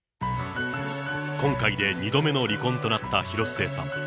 今回で２度目の離婚となった広末さん。